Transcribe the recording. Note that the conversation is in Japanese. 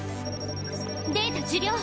データ受領！